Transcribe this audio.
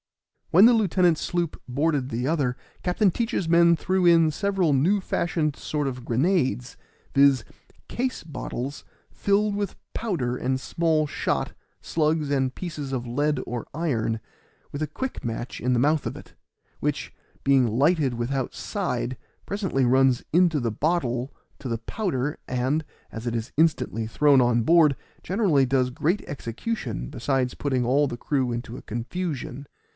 When the lieutenant's sloop boarded the other Captain Teach's men threw in several new fashioned sort of grenades, viz., case bottles filled with powder and small shot, slugs, and pieces of lead or iron, with a quick match in the mouth of it, which, being lighted without side, presently runs into the bottle to the powder, and, as it is instantly thrown on board, generally does great execution besides putting all the crew into a confusion.